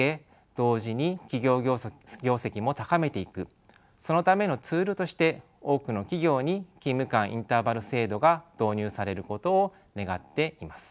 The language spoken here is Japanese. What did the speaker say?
同時に企業業績も高めていくそのためのツールとして多くの企業に勤務間インターバル制度が導入されることを願っています。